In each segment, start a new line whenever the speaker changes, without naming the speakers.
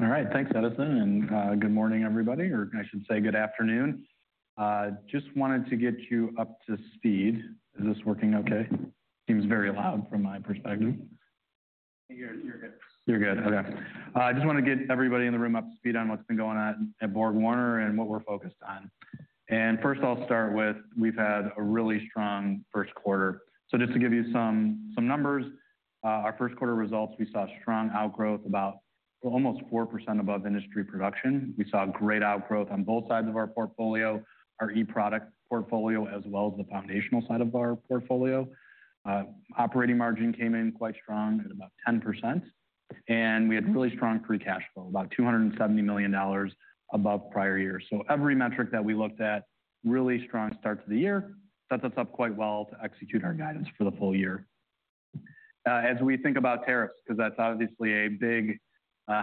All right. Thanks, Edison. Good morning, everybody, or I should say good afternoon. Just wanted to get you up to speed. Is this working okay? Seems very loud from my perspective.
You're good.
You're good. Okay. I just want to get everybody in the room up to speed on what's been going on at BorgWarner and what we're focused on. First, I'll start with we've had a really strong first quarter. Just to give you some numbers, our first quarter results, we saw strong outgrowth, about almost 4% above industry production. We saw great outgrowth on both sides of our portfolio, our e-product portfolio, as well as the foundational side of our portfolio. Operating margin came in quite strong at about 10%. We had really strong free cash flow, about $270 million above prior year. Every metric that we looked at, really strong start to the year, set us up quite well to execute our guidance for the full year. As we think about tariffs, because that's obviously a big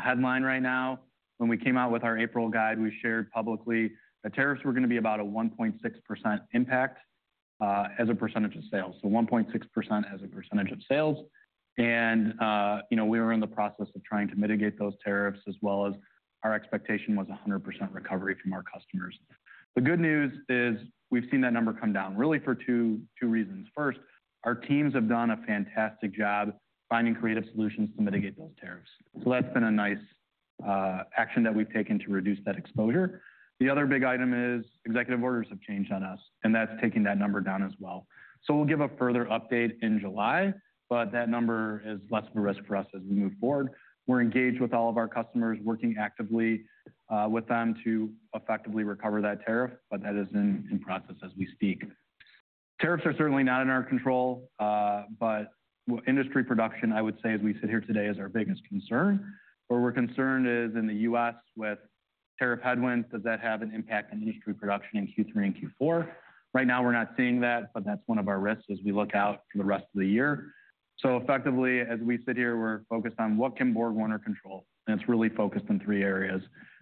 headline right now, when we came out with our April guide, we shared publicly that tariffs were going to be about a 1.6% impact as a percentage of sales, so 1.6% as a percentage of sales. We were in the process of trying to mitigate those tariffs, as well as our expectation was 100% recovery from our customers. The good news is we've seen that number come down really for two reasons. First, our teams have done a fantastic job finding creative solutions to mitigate those tariffs. That's been a nice action that we've taken to reduce that exposure. The other big item is executive orders have changed on us, and that's taking that number down as well. We'll give a further update in July, but that number is less of a risk for us as we move forward. We're engaged with all of our customers, working actively with them to effectively recover that tariff, but that is in process as we speak. Tariffs are certainly not in our control, but industry production, I would say, as we sit here today, is our biggest concern. Where we're concerned is in the U.S. with tariff headwinds, does that have an impact on industry production in Q3 and Q4? Right now, we're not seeing that, but that's one of our risks as we look out for the rest of the year. Effectively, as we sit here, we're focused on what can BorgWarner control, and it's really focused on three areas.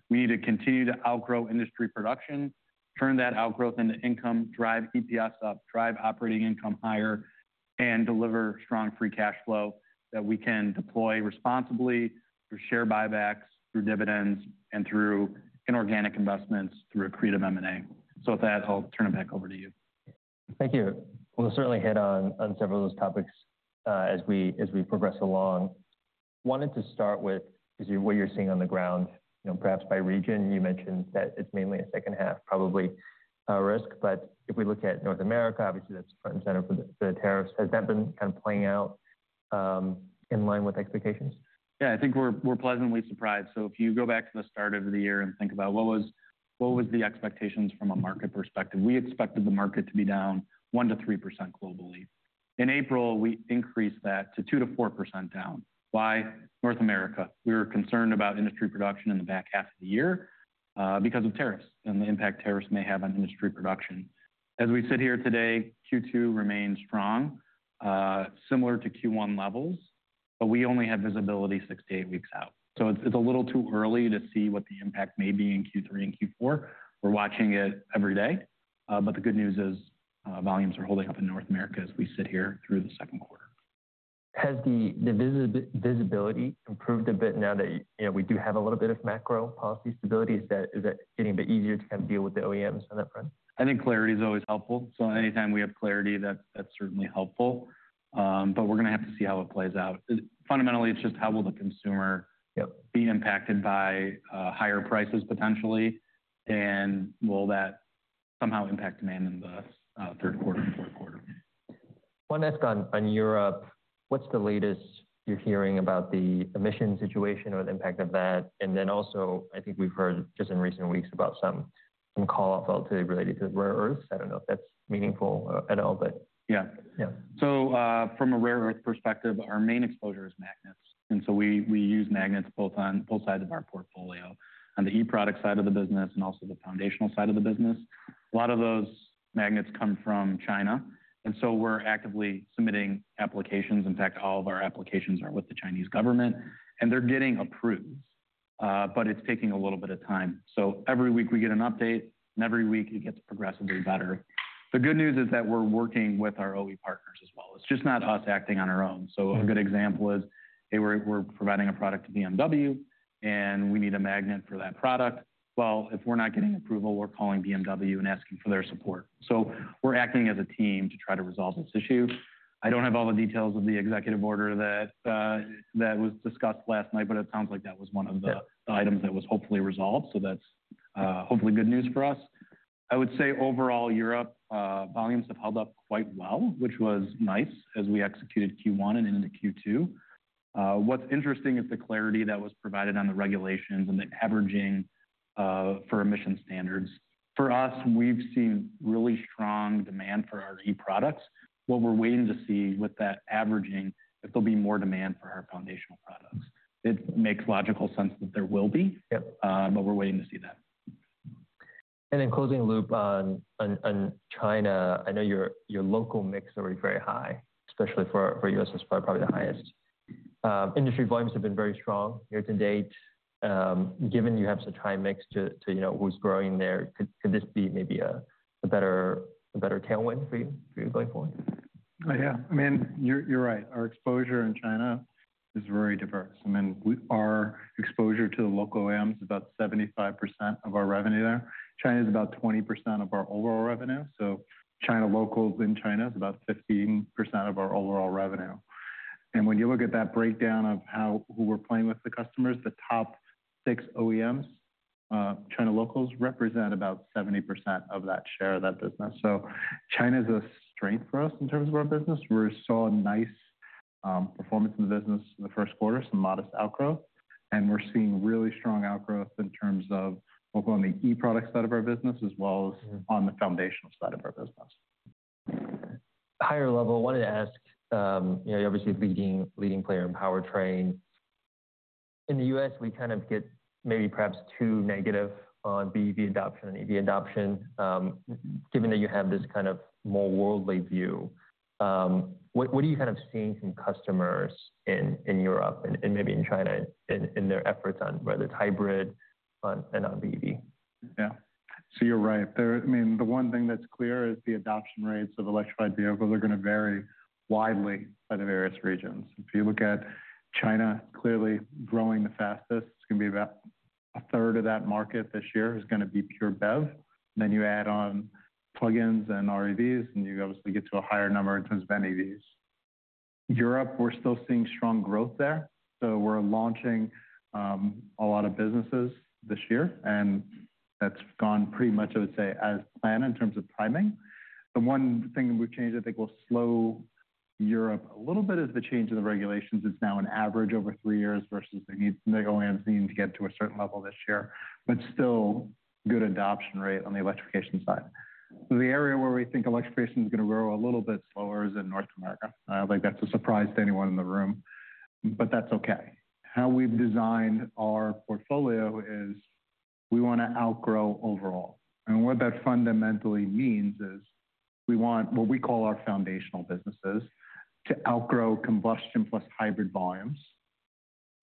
We need to continue to outgrow industry production, turn that outgrowth into income, drive EPS up, drive operating income higher, and deliver strong free cash flow that we can deploy responsibly through share buybacks, through dividends, and through inorganic investments through accretive M&A. With that, I'll turn it back over to you.
Thank you. We'll certainly hit on several of those topics as we progress along. Wanted to start with what you're seeing on the ground, perhaps by region. You mentioned that it's mainly a second half, probably, risk. If we look at North America, obviously, that's front and center for the tariffs. Has that been kind of playing out in line with expectations?
Yeah, I think we're pleasantly surprised. If you go back to the start of the year and think about what was the expectations from a market perspective, we expected the market to be down 1%-3% globally. In April, we increased that to 2%-4% down. Why? North America. We were concerned about industry production in the back half of the year because of tariffs and the impact tariffs may have on industry production. As we sit here today, Q2 remains strong, similar to Q1 levels, but we only have visibility six to eight weeks out. It's a little too early to see what the impact may be in Q3 and Q4. We're watching it every day. The good news is volumes are holding up in North America as we sit here through the second quarter.
Has the visibility improved a bit now that we do have a little bit of macro policy stability? Is that getting a bit easier to kind of deal with the OEMs on that front?
I think clarity is always helpful. Anytime we have clarity, that's certainly helpful. We're going to have to see how it plays out. Fundamentally, it's just how will the consumer be impacted by higher prices potentially, and will that somehow impact demand in the third quarter and fourth quarter?
One ask on Europe. What's the latest you're hearing about the emissions situation or the impact of that? Also, I think we've heard just in recent weeks about some callouts relatively related to rare earths. I don't know if that's meaningful at all, but.
Yeah. From a rare earth perspective, our main exposure is magnets. We use magnets both sides of our portfolio, on the e-product side of the business and also the foundational side of the business. A lot of those magnets come from China. We are actively submitting applications. In fact, all of our applications are with the Chinese government, and they are getting approved, but it is taking a little bit of time. Every week we get an update, and every week it gets progressively better. The good news is that we are working with our OE partners as well. It is not just us acting on our own. A good example is we are providing a product to BMW, and we need a magnet for that product. If we are not getting approval, we are calling BMW and asking for their support. We're acting as a team to try to resolve this issue. I don't have all the details of the executive order that was discussed last night, but it sounds like that was one of the items that was hopefully resolved. That's hopefully good news for us. I would say overall, Europe volumes have held up quite well, which was nice as we executed Q1 and into Q2. What's interesting is the clarity that was provided on the regulations and the averaging for emissions standards. For us, we've seen really strong demand for our e-products. What we're waiting to see with that averaging is if there will be more demand for our foundational products. It makes logical sense that there will be, but we're waiting to see that.
Closing the loop on China, I know your local mix is already very high, especially for U.S., probably the highest. Industry volumes have been very strong year to date. Given you have such a high mix to who's growing there, could this be maybe a better tailwind for you going forward?
Yeah. I mean, you're right. Our exposure in China is very diverse. I mean, our exposure to the local OEMs is about 75% of our revenue there. China is about 20% of our overall revenue. So China locals in China is about 15% of our overall revenue. When you look at that breakdown of who we're playing with, the customers, the top six OEMs, China locals represent about 70% of that share of that business. China is a strength for us in terms of our business. We saw nice performance in the business in the first quarter, some modest outgrowth. We're seeing really strong outgrowth in terms of both on the e-product side of our business as well as on the foundational side of our business.
Higher level, I wanted to ask, you're obviously a leading player in powertrain. In the U.S., we kind of get maybe perhaps too negative on BEV adoption and EV adoption, given that you have this kind of more worldly view. What are you kind of seeing from customers in Europe and maybe in China in their efforts on whether it's hybrid and on BEV?
Yeah. So you're right. I mean, the one thing that's clear is the adoption rates of electrified vehicles are going to vary widely by the various regions. If you look at China, clearly growing the fastest, it's going to be about a third of that market this year is going to be pure BEV. Then you add on plug-ins and REVs, and you obviously get to a higher number in terms of NEVs. Europe, we're still seeing strong growth there. We're launching a lot of businesses this year, and that's gone pretty much, I would say, as planned in terms of timing. The one thing we've changed, I think, will slow Europe a little bit is the change in the regulations. It's now an average over three years versus the OEMs needing to get to a certain level this year, but still good adoption rate on the electrification side. The area where we think electrification is going to grow a little bit slower is in North America. I do not think that is a surprise to anyone in the room, but that is okay. How we have designed our portfolio is we want to outgrow overall. What that fundamentally means is we want what we call our foundational businesses to outgrow combustion plus hybrid volumes,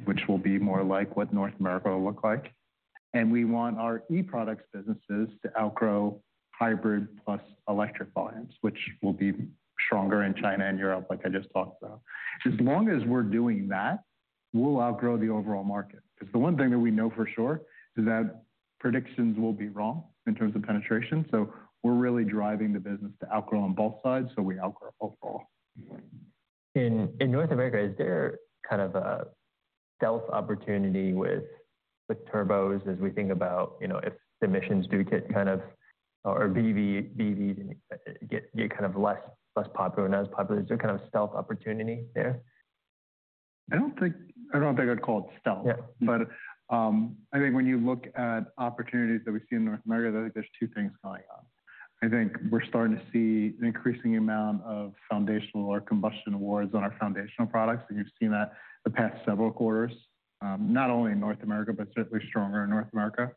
which will be more like what North America will look like. We want our e-products businesses to outgrow hybrid plus electric volumes, which will be stronger in China and Europe, like I just talked about. As long as we are doing that, we will outgrow the overall market. The one thing that we know for sure is that predictions will be wrong in terms of penetration. We are really driving the business to outgrow on both sides, so we outgrow overall.
In North America, is there kind of a stealth opportunity with turbos as we think about if emissions do get kind of or BEVs get kind of less popular and not as popular? Is there kind of stealth opportunity there?
I do not think I would call it stealth, but I think when you look at opportunities that we see in North America, I think there are two things going on. I think we are starting to see an increasing amount of foundational or combustion awards on our foundational products. You have seen that the past several quarters, not only in North America, but certainly stronger in North America.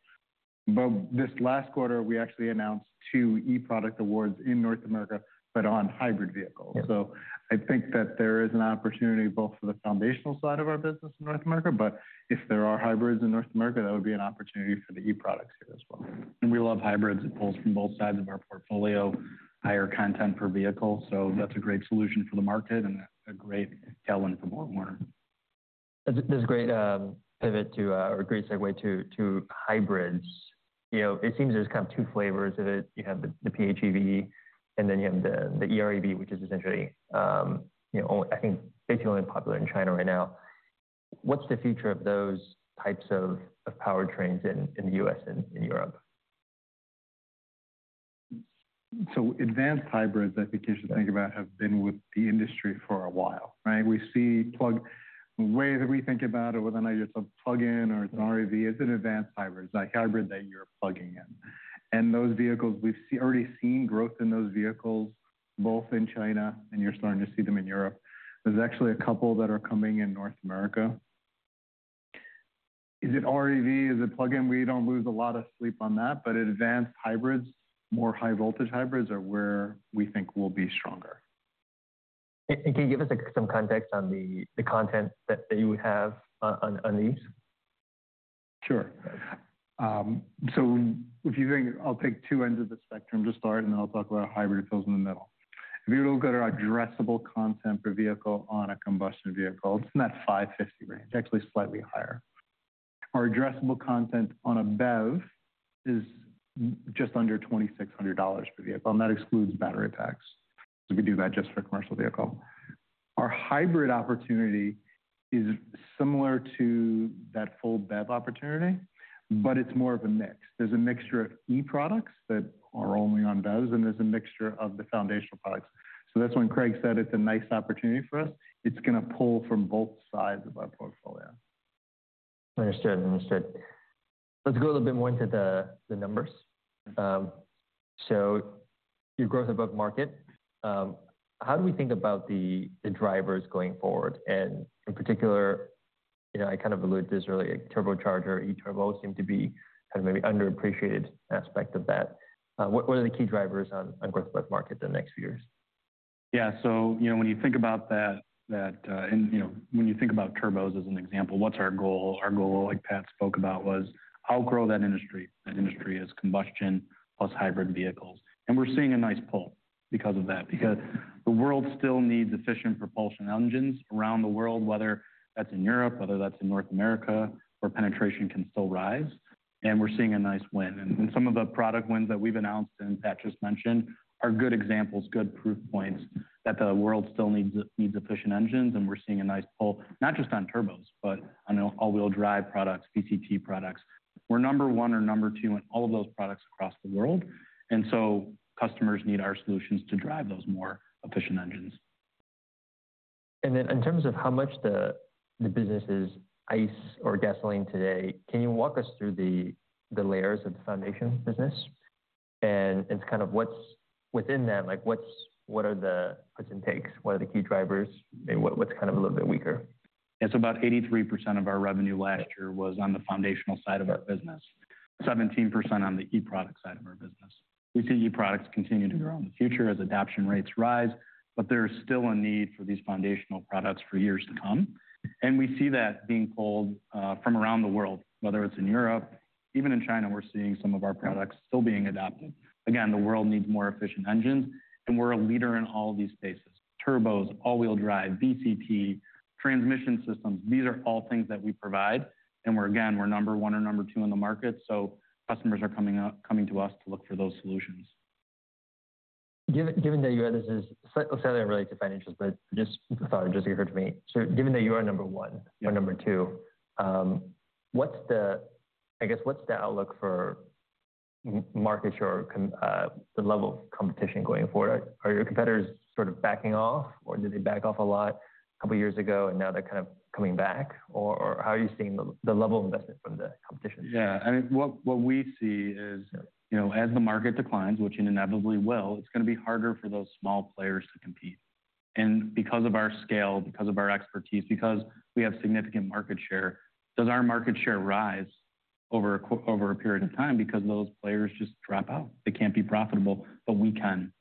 This last quarter, we actually announced two e-product awards in North America, but on hybrid vehicles. I think that there is an opportunity both for the foundational side of our business in North America, but if there are hybrids in North America, that would be an opportunity for the e-products here as well.
We love hybrids. It pulls from both sides of our portfolio, higher content per vehicle. That is a great solution for the market and a great tailwind for BorgWarner.
This is a great pivot or great segue to hybrids. It seems there's kind of two flavors of it. You have the PHEV, and then you have the EREV, which is essentially, I think, basically only popular in China right now. What's the future of those types of powertrains in the U.S. and in Europe?
Advanced hybrids, I think you should think about, have been with the industry for a while, right? We see plug ways that we think about it whether or not it's a plug-in or it's an REV. It's an advanced hybrid, like hybrid that you're plugging in. And those vehicles, we've already seen growth in those vehicles both in China, and you're starting to see them in Europe. There's actually a couple that are coming in North America. Is it REV? Is it plug-in? We don't lose a lot of sleep on that, but advanced hybrids, more high-voltage hybrids are where we think we'll be stronger.
Can you give us some context on the content that you would have on these?
Sure. If you think I'll pick two ends of the spectrum to start, and then I'll talk about hybrid fills in the middle. If you look at our addressable content per vehicle on a combustion vehicle, it's in that $550 range, actually slightly higher. Our addressable content on a BEV is just under $2,600 per vehicle. That excludes battery packs because we do that just for a commercial vehicle. Our hybrid opportunity is similar to that full BEV opportunity, but it's more of a mix. There's a mixture of e-products that are only on BEVs, and there's a mixture of the foundational products. That's when Craig said it's a nice opportunity for us. It's going to pull from both sides of our portfolio.
Understood. Understood. Let's go a little bit more into the numbers. Your growth above market, how do we think about the drivers going forward? In particular, I kind of alluded to this earlier, turbocharger, e-turbo seem to be kind of maybe an underappreciated aspect of that. What are the key drivers on growth above market in the next few years?
Yeah. So when you think about that, and when you think about turbos as an example, what's our goal? Our goal, like Pat spoke about, was outgrow that industry. That industry is combustion plus hybrid vehicles. We're seeing a nice pull because of that. The world still needs efficient propulsion engines around the world, whether that's in Europe, whether that's in North America, where penetration can still rise. We're seeing a nice win. Some of the product wins that we've announced and Pat just mentioned are good examples, good proof points that the world still needs efficient engines. We're seeing a nice pull, not just on turbos, but on all-wheel drive products, VCT products. We're number one or number two in all of those products across the world. Customers need our solutions to drive those more efficient engines.
In terms of how much the business is ICE or gasoline today, can you walk us through the layers of the foundation business? It is kind of what's within that? What are the puts and takes? What are the key drivers? What's kind of a little bit weaker?
It's about 83% of our revenue last year was on the foundational side of our business, 17% on the e-product side of our business. We see e-products continue to grow in the future as adoption rates rise, but there's still a need for these foundational products for years to come. We see that being pulled from around the world, whether it's in Europe. Even in China, we're seeing some of our products still being adopted. Again, the world needs more efficient engines, and we're a leader in all of these spaces: turbos, all-wheel drive, VCT, transmission systems. These are all things that we provide. Again, we're number one or number two in the market. Customers are coming to us to look for those solutions.
Given that you are—this is slightly unrelated to financials, but just thought it just occurred to me. Given that you are number one or number two, I guess what's the outlook for market share, the level of competition going forward? Are your competitors sort of backing off, or did they back off a lot a couple of years ago, and now they're kind of coming back? How are you seeing the level of investment from the competition?
Yeah. I mean, what we see is as the market declines, which inevitably will, it's going to be harder for those small players to compete. And because of our scale, because of our expertise, because we have significant market share, does our market share rise over a period of time because those players just drop out? They can't be profitable, but we can.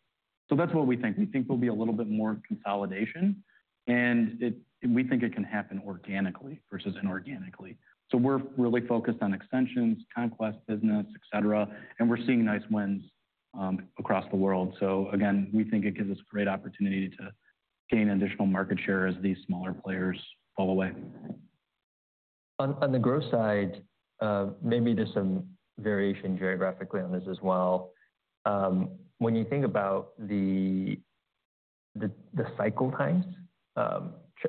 That's what we think. We think there'll be a little bit more consolidation, and we think it can happen organically versus inorganically. We're really focused on extensions, conquest business, etc. We're seeing nice wins across the world. Again, we think it gives us a great opportunity to gain additional market share as these smaller players fall away.
On the growth side, maybe there's some variation geographically on this as well. When you think about the cycle times,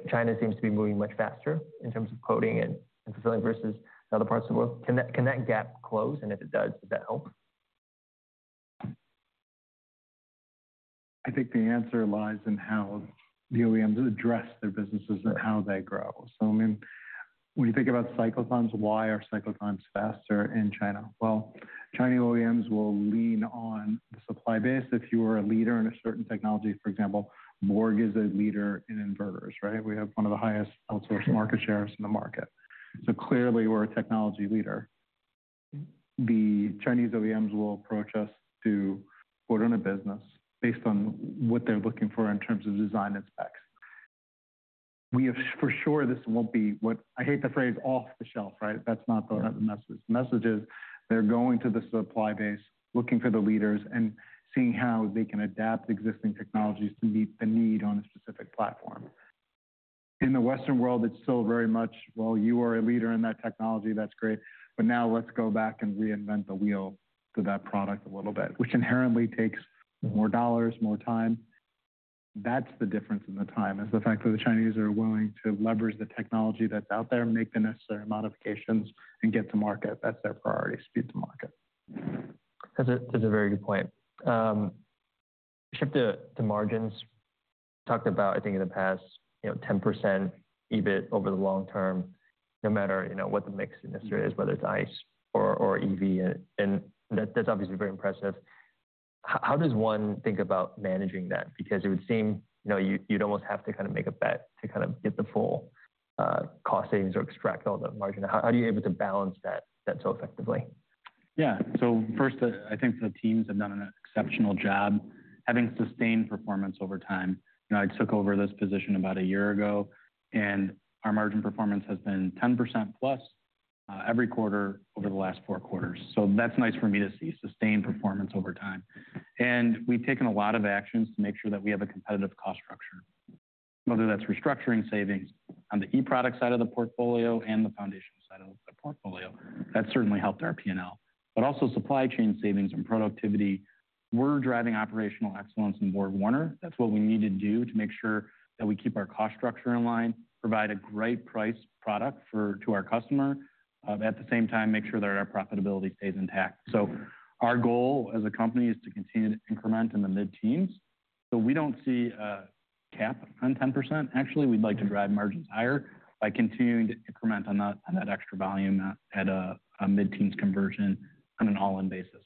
China seems to be moving much faster in terms of quoting and fulfilling versus other parts of the world. Can that gap close? If it does, does that help?
I think the answer lies in how the OEMs address their businesses and how they grow. I mean, when you think about cyclotones, why are cyclotones faster in China? Chinese OEMs will lean on the supply base. If you are a leader in a certain technology, for example, Borg is a leader in inverters, right? We have one of the highest outsourced market shares in the market. Clearly, we are a technology leader. The Chinese OEMs will approach us to put on a business based on what they are looking for in terms of design and specs. For sure, this will not be—I hate the phrase—off the shelf, right? That is not the message. The message is they are going to the supply base, looking for the leaders, and seeing how they can adapt existing technologies to meet the need on a specific platform. In the Western world, it's still very much, "You are a leader in that technology. That's great. Now let's go back and reinvent the wheel to that product a little bit," which inherently takes more dollars, more time. That's the difference in the time is the fact that the Chinese are willing to leverage the technology that's out there, make the necessary modifications, and get to market. That's their priority: speed to market.
That's a very good point. Shift to margins. You talked about, I think, in the past, 10% EBIT over the long term, no matter what the mix in this area is, whether it's ICE or EV. And that's obviously very impressive. How does one think about managing that? Because it would seem you'd almost have to kind of make a bet to kind of get the full cost savings or extract all the margin. How are you able to balance that so effectively?
Yeah. First, I think the teams have done an exceptional job having sustained performance over time. I took over this position about a year ago, and our margin performance has been 10%+ every quarter over the last four quarters. That is nice for me to see sustained performance over time. We have taken a lot of actions to make sure that we have a competitive cost structure, whether that is restructuring savings on the e-product side of the portfolio and the foundation side of the portfolio. That has certainly helped our P&L, but also supply chain savings and productivity. We are driving operational excellence in BorgWarner. That is what we need to do to make sure that we keep our cost structure in line, provide a great price product to our customer, and at the same time, make sure that our profitability stays intact. Our goal as a company is to continue to increment in the mid-teens. We do not see a cap on 10%. Actually, we would like to drive margins higher by continuing to increment on that extra volume at a mid-teens conversion on an all-in basis.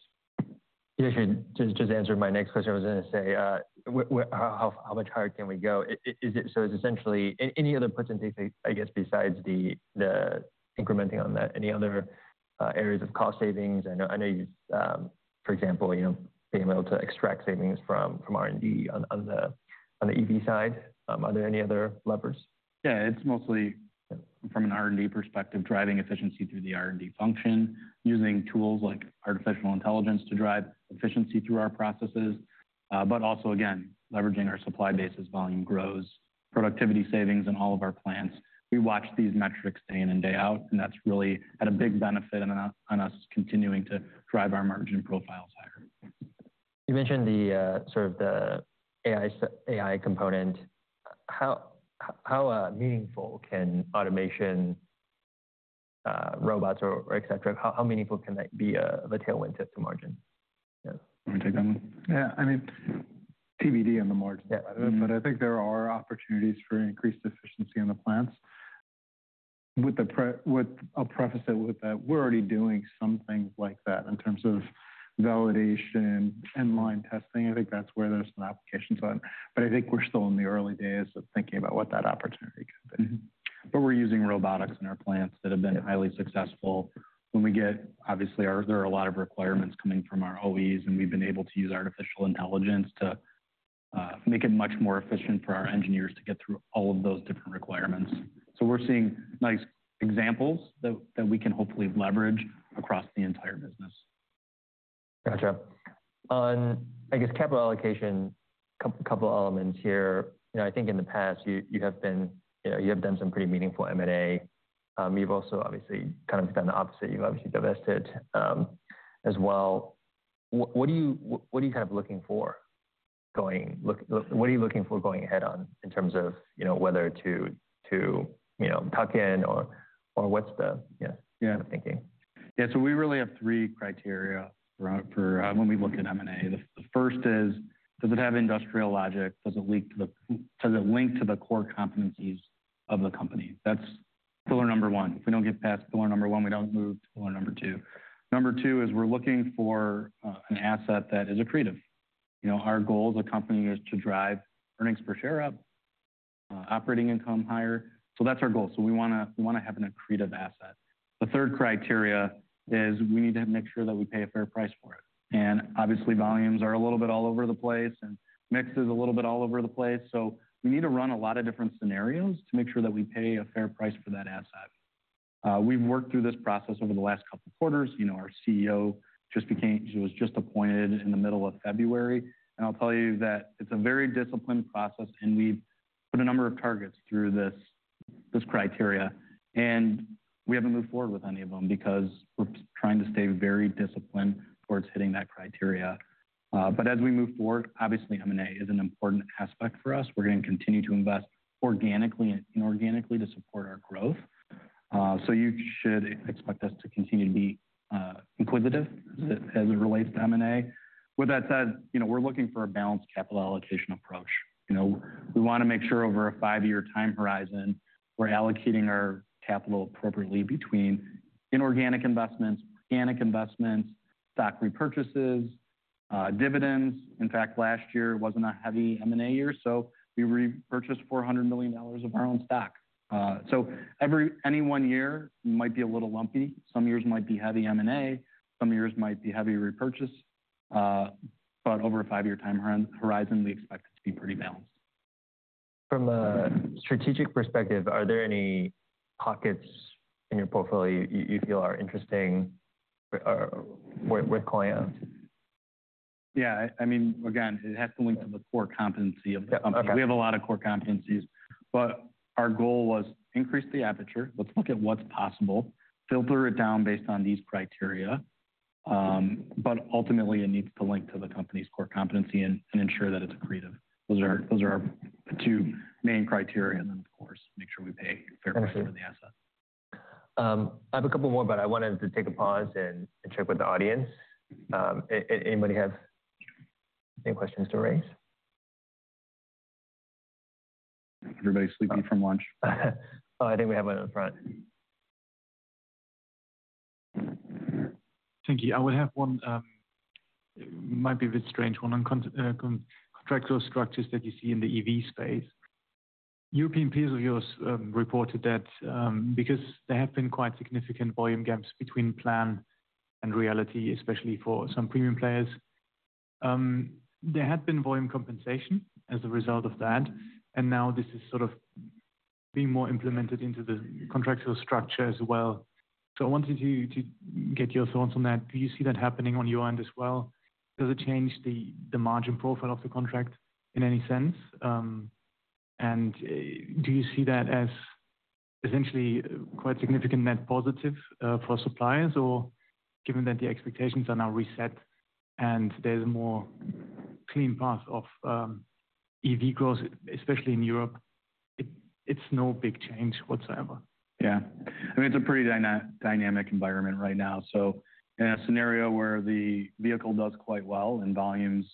Just to answer my next question, I was going to say, how much higher can we go? It's essentially any other puts and takes, I guess, besides the incrementing on that, any other areas of cost savings? I know, for example, being able to extract savings from R&D on the EV side. Are there any other levers?
Yeah. It's mostly from an R&D perspective, driving efficiency through the R&D function, using tools like artificial intelligence to drive efficiency through our processes, but also, again, leveraging our supply base as volume grows, productivity savings in all of our plants. We watch these metrics day in and day out, and that's really had a big benefit on us continuing to drive our margin profiles higher.
You mentioned sort of the AI component. How meaningful can automation, robots, or etc.? How meaningful can that be of a tailwind to margin?
Let me take that one.
Yeah. I mean.
TBD on the margin side of it, but I think there are opportunities for increased efficiency on the plants. With a preface that we're already doing some things like that in terms of validation and line testing. I think that's where there's some applications on. I think we're still in the early days of thinking about what that opportunity could be.
We're using robotics in our plants that have been highly successful. When we get, obviously, there are a lot of requirements coming from our OEs, and we've been able to use artificial intelligence to make it much more efficient for our engineers to get through all of those different requirements. We're seeing nice examples that we can hopefully leverage across the entire business.
Gotcha. On, I guess, capital allocation, a couple of elements here. I think in the past, you have done some pretty meaningful M&A. You've also obviously kind of done the opposite. You've obviously divested as well. What are you kind of looking for going? What are you looking for going ahead on in terms of whether to tuck in or what's the thinking?
Yeah. We really have three criteria when we look at M&A. The first is, does it have industrial logic? Does it link to the core competencies of the company? That's pillar number one. If we don't get past pillar number one, we don't move to pillar number two. Number two is we're looking for an asset that is accretive. Our goal as a company is to drive earnings per share up, operating income higher. That's our goal. We want to have an accretive asset. The third criteria is we need to make sure that we pay a fair price for it. Obviously, volumes are a little bit all over the place, and mix is a little bit all over the place. We need to run a lot of different scenarios to make sure that we pay a fair price for that asset. We've worked through this process over the last couple of quarters. Our CEO was just appointed in the middle of February. I'll tell you that it's a very disciplined process, and we've put a number of targets through this criteria. We haven't moved forward with any of them because we're trying to stay very disciplined towards hitting that criteria. As we move forward, obviously, M&A is an important aspect for us. We're going to continue to invest organically and inorganically to support our growth. You should expect us to continue to be inquisitive as it relates to M&A. With that said, we're looking for a balanced capital allocation approach. We want to make sure over a five-year time horizon, we're allocating our capital appropriately between inorganic investments, organic investments, stock repurchases, dividends. In fact, last year was not a heavy M&A year, so we repurchased $400 million of our own stock. Any one year might be a little lumpy. Some years might be heavy M&A. Some years might be heavy repurchase. Over a five-year time horizon, we expect it to be pretty balanced.
From a strategic perspective, are there any pockets in your portfolio you feel are interesting or worth calling out?
Yeah. I mean, again, it has to link to the core competency of the company. We have a lot of core competencies. Our goal was to increase the aperture. Let's look at what's possible, filter it down based on these criteria. Ultimately, it needs to link to the company's core competency and ensure that it's accretive. Those are our two main criteria. Of course, make sure we pay a fair price for the asset.
I have a couple more, but I wanted to take a pause and check with the audience. Anybody have any questions to raise?
Everybody's sleeping from lunch.
Oh, I think we have one in the front. Thank you. I would have one—it might be a bit strange—one on contractual structures that you see in the EV space. European peers of yours reported that because there have been quite significant volume gaps between plan and reality, especially for some premium players, there had been volume compensation as a result of that. Now this is sort of being more implemented into the contractual structure as well. I wanted to get your thoughts on that. Do you see that happening on your end as well? Does it change the margin profile of the contract in any sense? Do you see that as essentially quite significant net positive for suppliers? Given that the expectations are now reset and there's a more clean path of EV growth, especially in Europe, it's no big change whatsoever?
Yeah. I mean, it's a pretty dynamic environment right now. In a scenario where the vehicle does quite well and volumes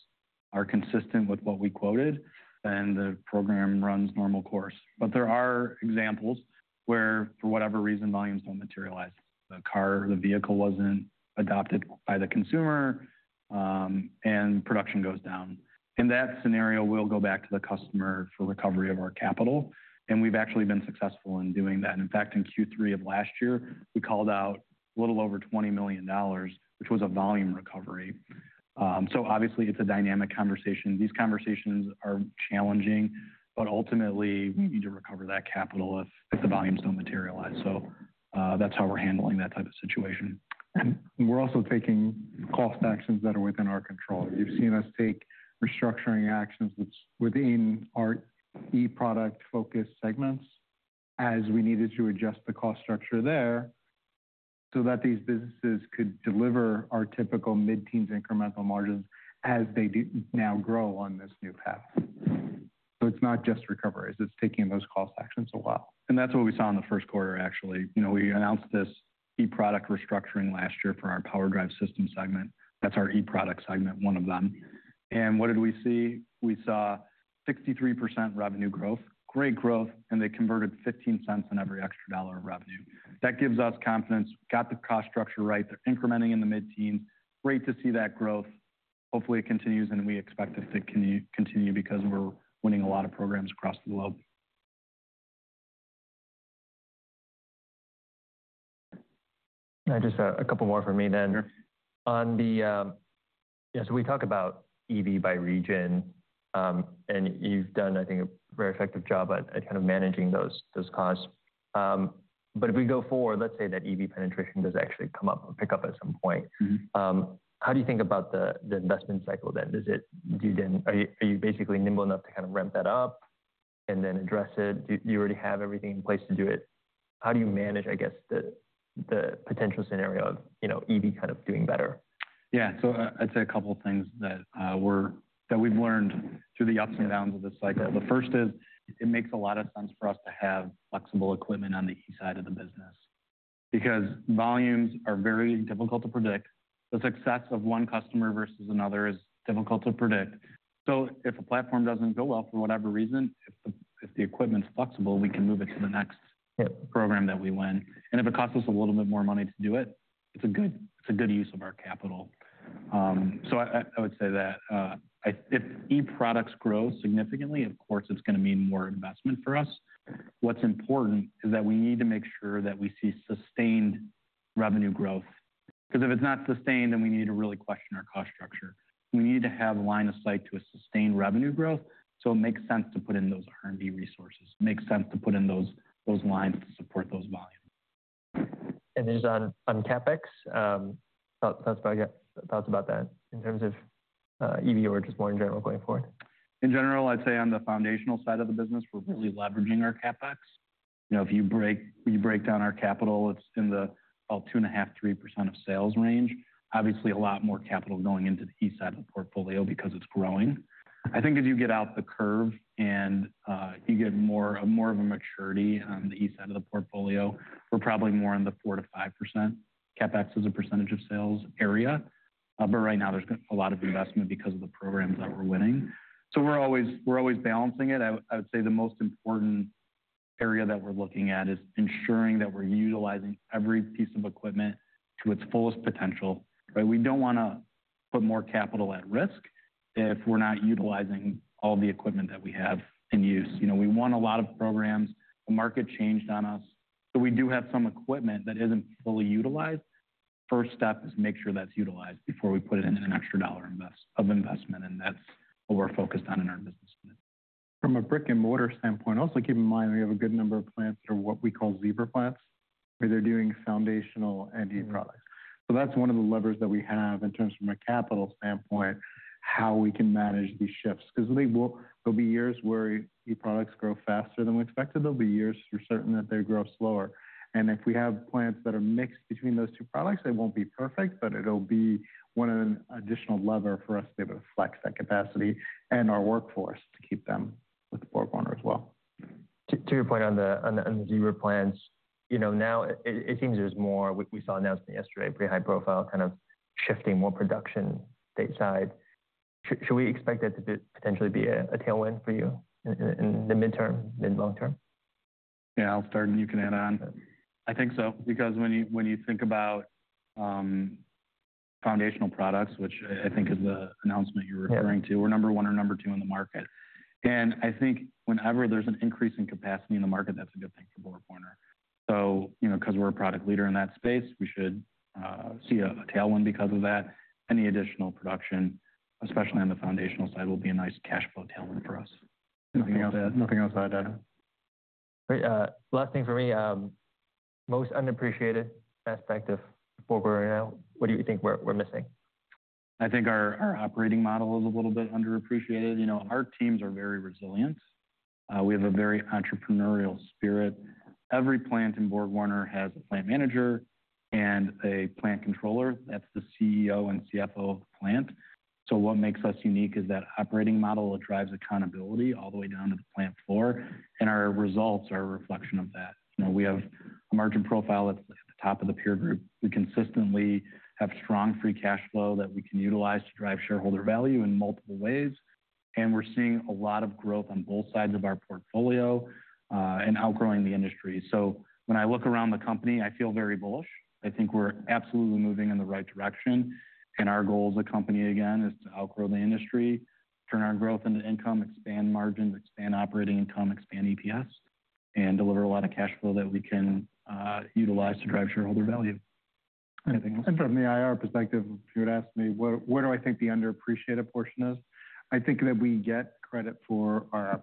are consistent with what we quoted, then the program runs normal course. There are examples where, for whatever reason, volumes don't materialize. The car or the vehicle wasn't adopted by the consumer, and production goes down. In that scenario, we'll go back to the customer for recovery of our capital. We've actually been successful in doing that. In fact, in Q3 of last year, we called out a little over $20 million, which was a volume recovery. Obviously, it's a dynamic conversation. These conversations are challenging, but ultimately, we need to recover that capital if the volumes don't materialize. That's how we're handling that type of situation.
We're also taking cost actions that are within our control. You've seen us take restructuring actions within our e-product-focused segments as we needed to adjust the cost structure there so that these businesses could deliver our typical mid-teens incremental margins as they now grow on this new path. It's not just recovery. It's taking those cost actions a while.
That is what we saw in the first quarter, actually. We announced this e-product restructuring last year for our power drive system segment. That is our e-product segment, one of them. What did we see? We saw 63% revenue growth, great growth, and they converted $0.15 on every extra dollar of revenue. That gives us confidence. Got the cost structure right. They are incrementing in the mid-teens. Great to see that growth. Hopefully, it continues, and we expect it to continue because we are winning a lot of programs across the globe.
Just a couple more for me then. Yeah. So we talk about EV by region, and you've done, I think, a very effective job at kind of managing those costs. If we go forward, let's say that EV penetration does actually come up and pick up at some point. How do you think about the investment cycle then? Are you basically nimble enough to kind of ramp that up and then address it? Do you already have everything in place to do it? How do you manage, I guess, the potential scenario of EV kind of doing better?
Yeah. I'd say a couple of things that we've learned through the ups and downs of this cycle. The first is it makes a lot of sense for us to have flexible equipment on the east side of the business because volumes are very difficult to predict. The success of one customer versus another is difficult to predict. If a platform doesn't go well for whatever reason, if the equipment's flexible, we can move it to the next program that we win. If it costs us a little bit more money to do it, it's a good use of our capital. I would say that if e-products grow significantly, of course, it's going to mean more investment for us. What's important is that we need to make sure that we see sustained revenue growth because if it's not sustained, then we need to really question our cost structure. We need to have a line of sight to a sustained revenue growth. It makes sense to put in those R&D resources. It makes sense to put in those lines to support those volumes.
Just on CapEx, thoughts about that in terms of EV or just more in general going forward?
In general, I'd say on the foundational side of the business, we're really leveraging our CapEx. If you break down our capital, it's in the 2.5%-3% of sales range. Obviously, a lot more capital going into the e-side of the portfolio because it's growing. I think as you get out the curve and you get more of a maturity on the e-side of the portfolio, we're probably more in the 4%-5% CapEx as a percentage of sales area. Right now, there's a lot of investment because of the programs that we're winning. We're always balancing it. I would say the most important area that we're looking at is ensuring that we're utilizing every piece of equipment to its fullest potential. We don't want to put more capital at risk if we're not utilizing all the equipment that we have in use. We want a lot of programs. The market changed on us. So we do have some equipment that isn't fully utilized. First step is to make sure that's utilized before we put in an extra dollar of investment. That's what we're focused on in our business.
From a brick-and-mortar standpoint, also keep in mind we have a good number of plants that are what we call zebra plants, where they're doing foundational and e-products. That is one of the levers that we have in terms from a capital standpoint, how we can manage these shifts. There will be years where e-products grow faster than we expected. There will be years we're certain that they grow slower. If we have plants that are mixed between those two products, it will not be perfect, but it will be one additional lever for us to be able to flex that capacity and our workforce to keep them with BorgWarner as well.
To your point on the zebra plants, now it seems there's more—we saw announcement yesterday—pretty high-profile kind of shifting more production stateside. Should we expect that to potentially be a tailwind for you in the midterm, mid-long term?
Yeah. I'll start, and you can add on. I think so. Because when you think about foundational products, which I think is the announcement you're referring to, we're number one or number two in the market. I think whenever there's an increase in capacity in the market, that's a good thing for BorgWarner. Because we're a product leader in that space, we should see a tailwind because of that. Any additional production, especially on the foundational side, will be a nice cash flow tailwind for us.
Nothing else to add.
Great. Last thing for me. Most underappreciated aspect of BorgWarner right now, what do you think we're missing?
I think our operating model is a little bit underappreciated. Our teams are very resilient. We have a very entrepreneurial spirit. Every plant in BorgWarner has a plant manager and a plant controller. That is the CEO and CFO of the plant. What makes us unique is that operating model that drives accountability all the way down to the plant floor. Our results are a reflection of that. We have a margin profile that is at the top of the peer group. We consistently have strong free cash flow that we can utilize to drive shareholder value in multiple ways. We are seeing a lot of growth on both sides of our portfolio and outgrowing the industry. When I look around the company, I feel very bullish. I think we are absolutely moving in the right direction. Our goal as a company, again, is to outgrow the industry, turn our growth into income, expand margins, expand operating income, expand EPS, and deliver a lot of cash flow that we can utilize to drive shareholder value. Anything else?
From the IR perspective, if you were to ask me where do I think the underappreciated portion is, I think that we get credit for our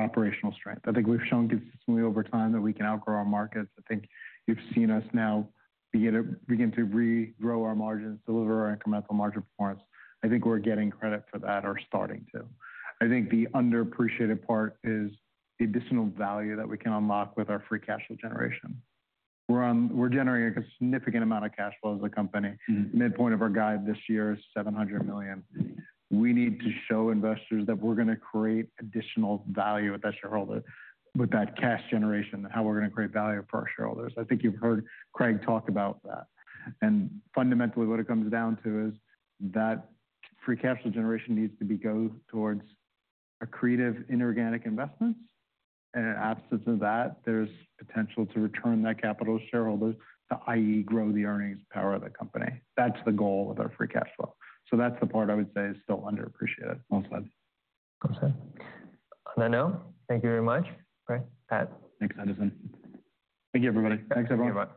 operational strength. I think we've shown consistently over time that we can outgrow our markets. I think you've seen us now begin to regrow our margins, deliver our incremental margin performance. I think we're getting credit for that or starting to. I think the underappreciated part is the additional value that we can unlock with our free cash flow generation. We're generating a significant amount of cash flow as a company. Midpoint of our guide this year is $700 million. We need to show investors that we're going to create additional value with that cash generation, and how we're going to create value for our shareholders. I think you've heard Craig talk about that. Fundamentally, what it comes down to is that free cash flow generation needs to go towards accretive inorganic investments. In absence of that, there's potential to return that capital to shareholders, i.e., grow the earnings power of the company. That's the goal with our free cash flow. That's the part I would say is still underappreciated.
Thank you very much.
Thanks, Edison.
Thank you, everybody.
Thanks, everyone.